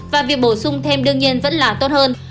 và việc bổ sung thêm đương nhiên vẫn là tốt hơn